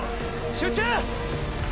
集中！